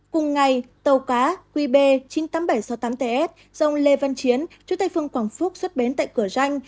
cùng ngày tàu cá qb chín mươi tám nghìn bảy trăm sáu mươi tám ts do ông lê văn chiến chủ tay phương quảng phúc xuất bến tại cửa ranh